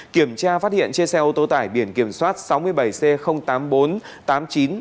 kiểm tra phát hiện trên xe ô tô tải biển kiểm soát sáu mươi bảy c tám mươi bốn